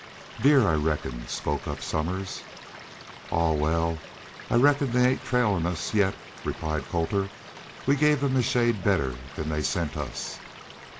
"Deer, I reckon," spoke up Somers. "Ahuh! Wal, I reckon they ain't trailin' us yet," replied Colter. "We gave them a shade better 'n they sent us."